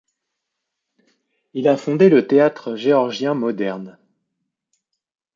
Il a fondé le théâtre géorgien moderne.